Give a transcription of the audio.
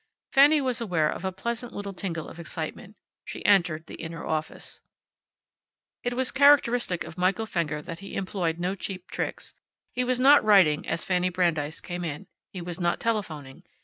Fanny was aware of a pleasant little tingle of excitement. She entered the inner office. It was characteristic of Michael Fenger that he employed no cheap tricks. He was not writing as Fanny Brandeis came in. He was not telephoning.